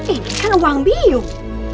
ini kan uang biung